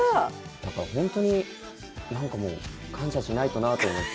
だから本当に何かもう感謝しないとなと思って。